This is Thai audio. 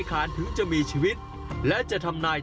หันล้วยหันล้วยหันล้วยหันล้วยหันล้วยหันล้วย